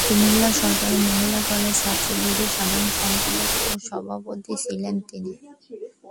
কুমিল্লা সরকারি মহিলা কলেজ ছাত্রলীগের সাধারণ সম্পাদক ও সহসভাপতি ছিলেন তিনি।